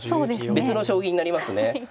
別の将棋になりますね。